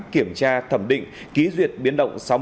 kiểm tra thẩm định ký duyệt biến động